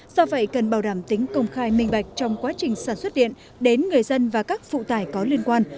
do vậy cần bảo đảm tính công khai minh bạch trong quá trình sản xuất điện đến người dân và các phụ tải có liên quan